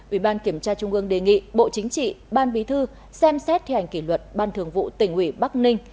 ủy ban kiểm tra trung ương đề nghị bộ chính trị ban bí thư xem xét thi hành kỷ luật ban thường vụ tỉnh ủy bắc ninh